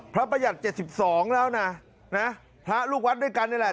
ประหยัด๗๒แล้วนะพระลูกวัดด้วยกันนี่แหละ